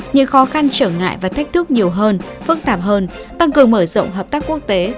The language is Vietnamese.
những khó khăn trở ngại và thách thức nhiều hơn phức tạp hơn tăng cường mở rộng hợp tác quốc tế